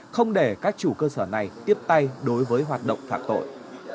không để các chủ cơ sở này tiếp tay đối với hoạt động phạm tội